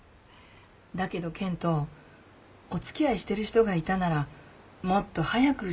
だけど健人お付き合いしてる人がいたならもっと早く紹介してほしかったわ。